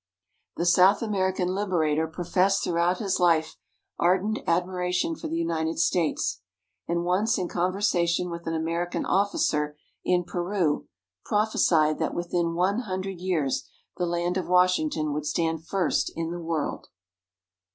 The South American Liberator professed throughout his life ardent admiration for the United States, and once in conversation with an American officer in Peru, prophesied that within one hundred years, the land of Washington would stand first in the world.